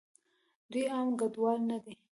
دوئ عام کډوال نه دي.